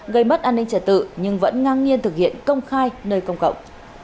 gây mất an ninh trả tự nhưng vẫn ngang nhiên thực hiện công khai nơi công cộng